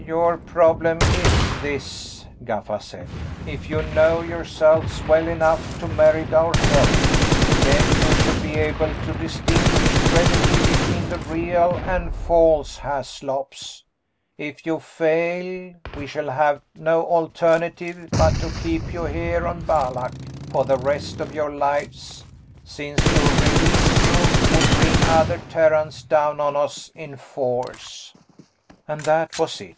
"Your problem is this," Gaffa said. "If you know yourselves well enough to merit our help, then you should be able to distinguish readily between the real and false Haslops. If you fail, we shall have no alternative but to keep you here on Balak for the rest of your lives, since to release you would bring other Terrans down on us in force." And that was it.